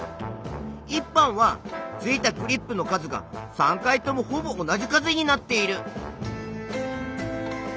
１班は付いたクリップの数が３回ともほぼ同じ数になっている。